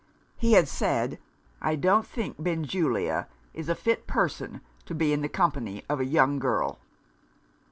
He had said, "I don't think Benjulia a fit person to be in the company of a young girl."